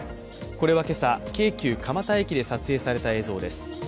これは今朝、京急蒲田駅で撮影された映像です。